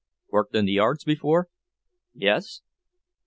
"Worked in the yards before?" "Yes."